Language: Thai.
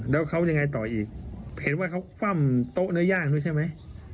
แล้วเขายังไงต่ออีกเห็นว่าเขาคว่ำโต๊ะเนื้อย่างด้วยใช่ไหม